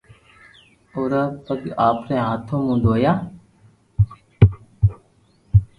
اورا پگ آپري ھاٿو مون دويا